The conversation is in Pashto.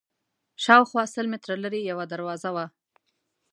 شاوخوا سل متره لرې یوه دروازه وه.